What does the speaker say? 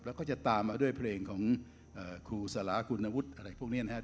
แล้วก็จะตามมาด้วยเพลงของครูสลาคุณวุฒิอะไรพวกนี้นะครับ